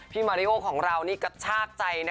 มาริโอของเรานี่กระชากใจนะ